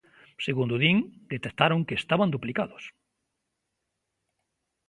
Segundo din, detectaron que estaban duplicados.